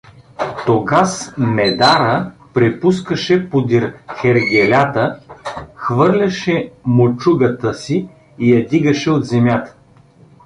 Тогаз Медара препускаше подир хергелята, хвърляше мочугата си и я дигаше от земята.